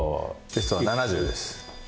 ベストは７０です。